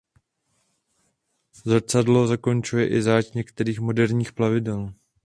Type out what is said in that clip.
Zrcadlo zakončuje i záď některých moderních plavidel.